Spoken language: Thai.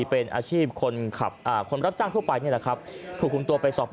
เป็นอาชีพเป็นคนรับตั้งทั่วไป